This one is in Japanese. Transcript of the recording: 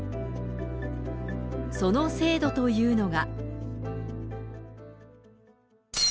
その制度というのが。